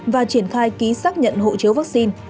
và triển khai ký xác nhận hộ chiếu vắc xin